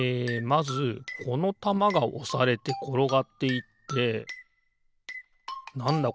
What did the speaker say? まずこのたまがおされてころがっていってなんだ？